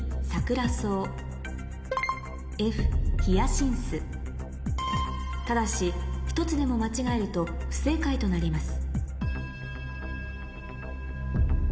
次のうち一般的にただし１つでも間違えると不正解となります